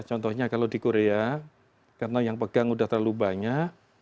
contohnya kalau di korea karena yang pegang sudah terlalu banyak